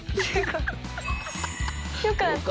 よかった。